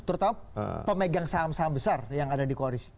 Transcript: terutama pemegang saham saham besar yang ada di koalisi